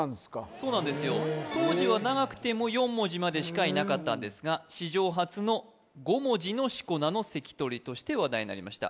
そうなんですよ当時は長くても四文字までしかいなかったんですが史上初の五文字の四股名の関取として話題になりました